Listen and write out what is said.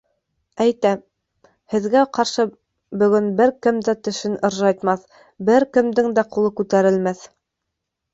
— Әйтәм: һеҙгә ҡаршы бөгөн бер кем дә тешен ыржайтмаҫ, бер кемдең дә ҡулы күтәрелмәҫ.